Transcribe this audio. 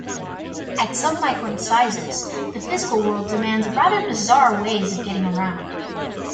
At submicron sizes, the physical world demands rather bizarre ways of getting around.